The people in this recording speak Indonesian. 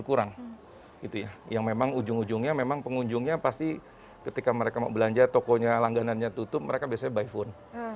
jadi kurang kurang gitu ya yang memang ujung ujungnya memang pengunjungnya pasti ketika mereka mau belanja tokonya langganannya tutup mereka biasanya buy phone